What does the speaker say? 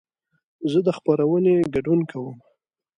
زه د خپرونې ګډون کوم.